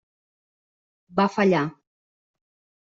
Va fallar.